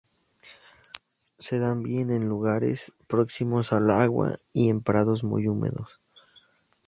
Se dan bien en lugares próximos al agua y en prados muy húmedos.